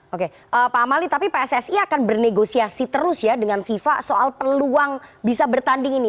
oke pak amali tapi pssi akan bernegosiasi terus ya dengan fifa soal peluang bisa bertanding ini